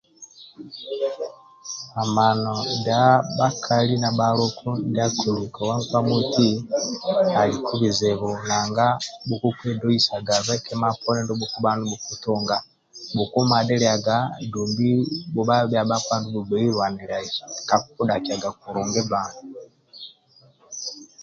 Mamano ndia bhakali na bhaluku ndia akoli kowa nkpa moti aliku bizibu nanga ndio bhukubha nibhuku tunga bhukumadhiliaga dumbi bhubha bhia bhakpa ndibho bhugbei lwanilyai kakubhudhakiaga kulungi bba